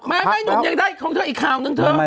ไม่หนุ่มยังได้ของเธออีกข่าวนึงเธอ